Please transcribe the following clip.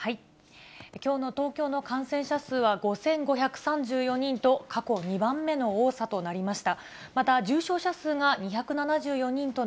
きょうの東京の感染者数は５５３４人と、過去２番目の多さとなりました。